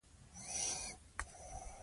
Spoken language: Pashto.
یوازې پنځه ویشت تنه ژوندي پاتې نه سول.